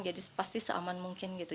pasti seaman mungkin gitu